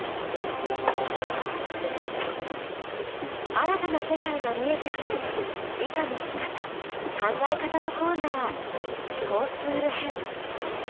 新たな世界が見えてくる理科の見方・考え方のコーナー思考ツール編。